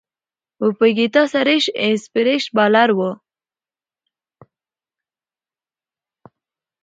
وپاګیتا سريش ایکسپریس بالر وه.